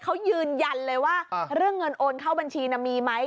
เขายืนยันเลยว่าเรื่องเงินโอนเข้าบัญชีมีไหม